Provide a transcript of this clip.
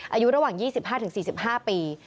อายุระหว่าง๒๕๔๕ปี